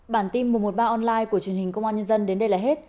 bản tin mùa một ba online của truyền hình công an nhân dân đến đây là hết